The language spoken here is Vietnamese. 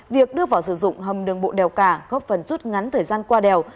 việc đưa vào sử dụng hầm đường bộ đèo cả góp phần rút ngắn thời gian qua đèo